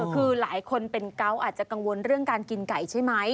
คือหลายคนเป็นเกาะอาจจะกังวลเรื่องการกินไก่ใช่ไหม